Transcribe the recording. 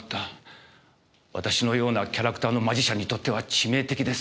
私のようなキャラクターのマジシャンにとっては致命的です。